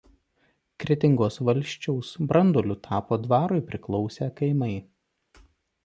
Kretingos valsčiaus branduoliu tapo dvarui priklausę kaimai.